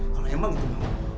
kalau emang itu emang